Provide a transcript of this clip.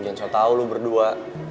jangan soal tau lu berdua